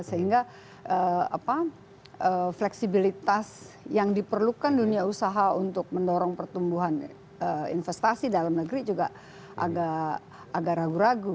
sehingga fleksibilitas yang diperlukan dunia usaha untuk mendorong pertumbuhan investasi dalam negeri juga agak ragu ragu